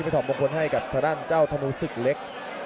ถอดมงคลให้กับทางด้านเจ้าธนูศึกเล็ก